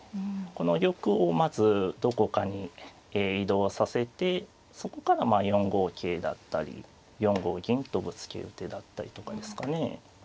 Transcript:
この玉をまずどこかに移動させてそこから４五桂だったり４五銀とぶつける手だったりとかですかね。